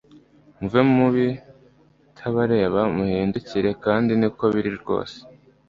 muve mubi tabareba muhindukire kandi niko biri rwose